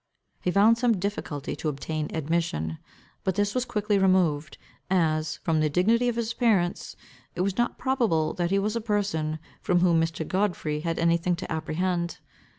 He found some difficulty to obtain admission. But this was quickly removed, as, from the dignity of his appearance, it was not probable that he was a person, from whom Mr. Godfrey had any thing to apprehend.